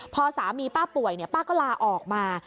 พอสามีป้าป่วยป้าก็ลาออกมา